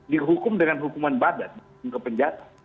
dihukum dengan hukuman badan hukuman penjahat